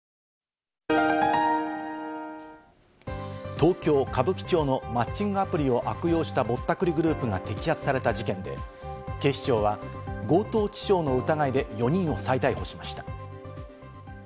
東京・歌舞伎町のマッチングアプリを悪用したぼったくりグループが摘発された事件で、警視庁は強盗致傷の疑いで４人を再逮捕しました。